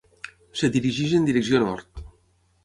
Es dirigeix en direcció nord.